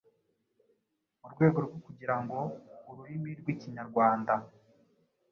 Mu rwego rwo kugira ngo ururimi rw’Ikinyarwanda